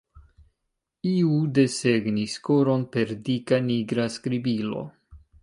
Iu desegnis koron per dika nigra skribilo.